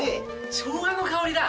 しょうがの香りだ。